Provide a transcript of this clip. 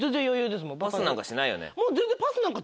パスなんかしないよね。